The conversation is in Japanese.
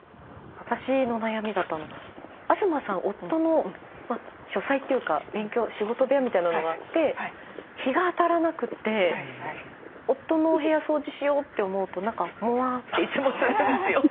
私の悩みだと東さん夫の書斎というか勉強仕事部屋みたいなのがあって日が当たらなくて夫のお部屋掃除しようって思うと何かモワーンっていつもするんですよ。